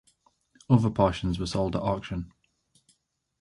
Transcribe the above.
Other portions were sold at auction.